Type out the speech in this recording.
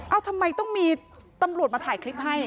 ทำไมต้องมีตำรวจมาถ่ายคลิปให้